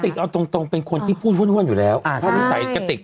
กะติกเอาตรงเป็นคนที่พูดว้นอยู่แล้วใช่ถ้าไม่ใส่กะติก